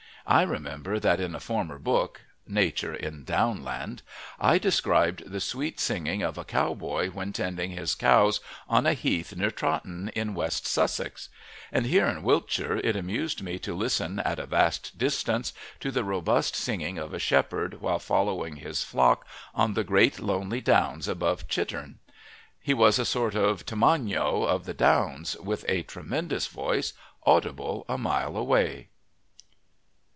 I remember that in a former book "Nature in Downland" I described the sweet singing of a cow boy when tending his cows on a heath near Trotton, in West Sussex; and here in Wiltshire it amused me to listen, at a vast distance, to the robust singing of a shepherd while following his flock on the great lonely downs above Chitterne. He was a sort of Tamagno of the downs, with a tremendous voice audible a mile away.